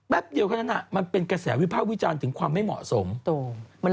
เดียวเท่านั้นมันเป็นกระแสวิภาควิจารณ์ถึงความไม่เหมาะสม